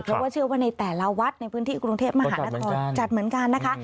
เพราะว่าเชื่อว่าในแต่ละวัดในพื้นที่กรุงเทพมหานครจัดเหมือนกันนะคะ